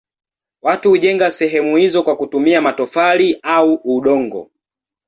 Watu hujenga sehemu hizo kwa kutumia matofali au udongo.